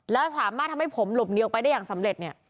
แล้วสามารถทำให้ผมหลบหนีออกไปได้อย่างสำเร็จเนี่ย